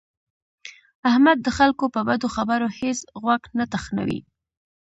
احمد د خلکو په بدو خبرو هېڅ غوږ نه تخنوي.